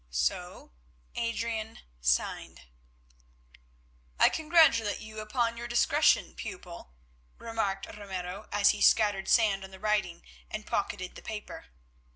So Adrian signed. "I congratulate you upon your discretion, pupil," remarked Ramiro, as he scattered sand on the writing and pocketed the paper.